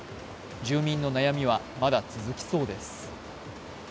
住民の悩みはまだ続きそうです。